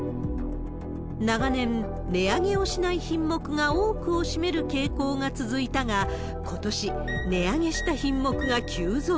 長年、値上げをしない品目が多くを占める傾向が続いたが、ことし、値上げした品目が急増。